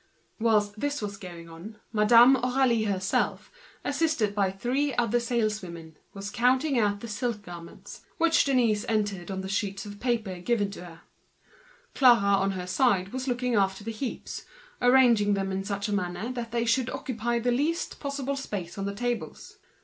Whilst this was going on, Madame Aurélie herself, assisted by three other saleswomen, was counting the silk garments, which Denise entered on the sheets. Clara was employed in looking after the heaps, to arrange them in such a manner that they should occupy the least space possible on the tables.